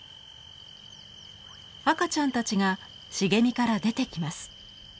赤ちゃんたちが茂みから出てきます。